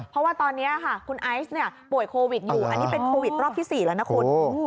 เพราะว่าตอนนี้ค่ะคุณไอซ์ป่วยโควิดอยู่อันนี้เป็นโควิดรอบที่๔แล้วนะคุณ